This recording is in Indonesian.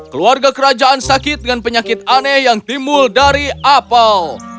keluarga kerajaan sakit dengan penyakit aneh yang timbul dari apel